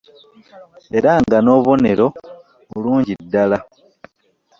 Era nga n'obubonero bulungi ddala